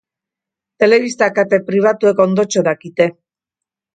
Telebista kate pribatuek ondotxo dakite.